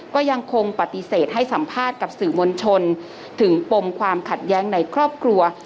ก็ยังคงปฏิเสธให้สัมภาษณ์กับสื่อมวลชนถึงปมความขัดแย้งในครอบครัว